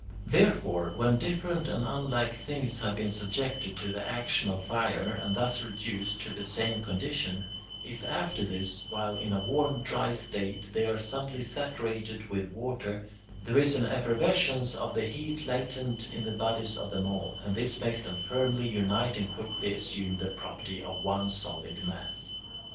4. Therefore, when different and unlike things have been subjected to the action of fire and thus reduced to the same condition, if after this, while in a warm, dry state, they are suddenly saturated with water, there is an effervescence of the heat latent in the bodies of them all, and this makes them firmly unite and quickly assume the property of one solid mass.